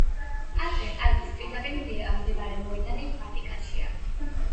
პეტრეს ტაძრის პირდაპირ მდებარე მოედანი ვატიკანში.